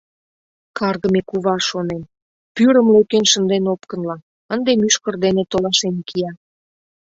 Каргыме кува, шонем, пӱрым лӧкен шынден опкынла, ынде мӱшкыр дене толашен кия.